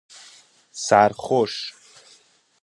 سرخوش